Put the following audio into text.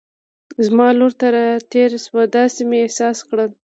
زما لور ته را تېر شو، داسې مې احساس کړل.